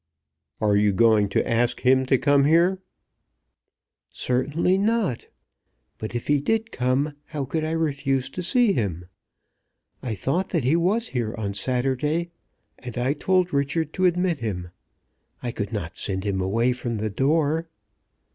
"Are you going to ask him to come here?" "Certainly not. But if he did come, how could I refuse to see him? I thought that he was here on Saturday, and I told Richard to admit him. I could not send him away from the door."